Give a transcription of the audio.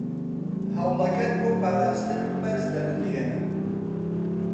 هەوڵەکەت بۆ پاراستنم بەرز دەنرخێنم.